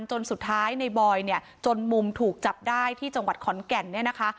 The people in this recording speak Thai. จนสุดท้ายในบอยเนี่ยจนมุมถูกจับได้ที่จังหวัดขอนแก่นเนี่ยนะคะ